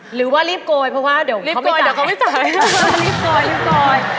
หรือว่ารีบโกยเพราะเดี๋ยวเขาไม่จ่าย